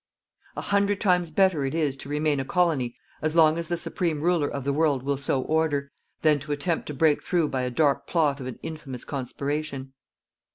A hundred times better it is to remain a colony as long as the Supreme Ruler of the world will so order, than to attempt to break through by the dark plot of an infamous conspiration.